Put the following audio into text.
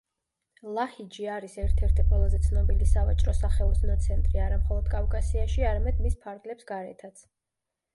ლაჰიჯი არის ერთ-ერთი ყველაზე ცნობილი სავაჭრო-სახელოსნო ცენტრი არა მხოლოდ კავკასიაში, არამედ მის ფარგლებს გარეთაც.